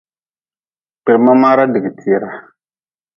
Kpirma maara digi tiira.